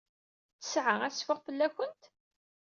Ttesɛa ad teffeɣ fell-awent?